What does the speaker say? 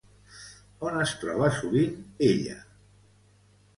On es troba sovint ella?